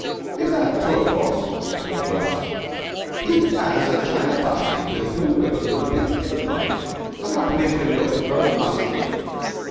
"He's that, too, of course, but he's worse. He has a china basket with blue ribbons and a pink kitten on it, hung up in his window to grow musk in.